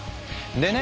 でね